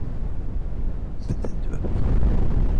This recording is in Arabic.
بدأت أبكي.